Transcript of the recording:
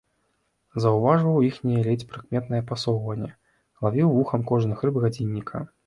Заўважваў іхняе ледзь прыкметнае пасоўванне, лавіў вухам кожны хрып гадзінніка.